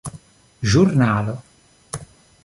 ĵurnalo